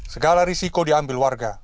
segala risiko diambil warga